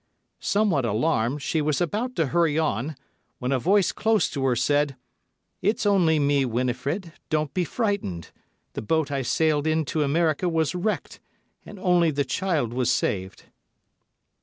Somewhat alarmed, she was about to hurry on, when a voice close to her said, "It's only me, Winifred; don't be frightened. The boat I sailed in to America was wrecked, and only the child was saved."